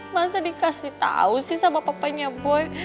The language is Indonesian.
masa dikasih tahu sih sama papanya boy